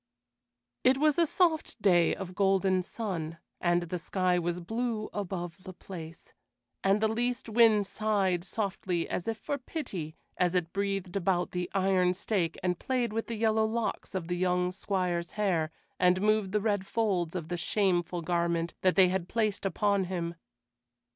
It was a soft day of golden sun, and the sky was blue above the place, and the least wind sighed softly as if for pity as it breathed about the iron stake and played with the yellow locks of the young Squire's hair and moved the red folds of the shameful garment that they had placed upon him.